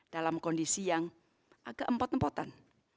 dalam kondisi yang agak empot empotan